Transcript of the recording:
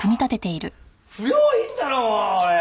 不良品だろおい。